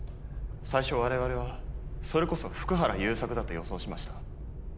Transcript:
最初我々はそれこそ福原優作だと予想しました。